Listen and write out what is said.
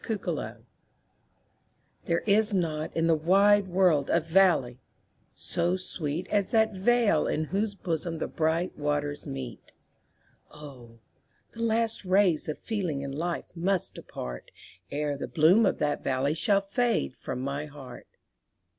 There is not in the wide world a valley so sweet As that vale in whose bosom the bright waters meet; Oh! the last rays of feeling and life must depart, Ere the bloom of that valley shall fade from my heart.